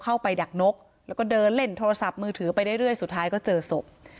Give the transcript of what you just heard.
ดักนกแล้วก็เดินเล่นโทรศัพท์มือถือไปเรื่อยสุดท้ายก็เจอศพ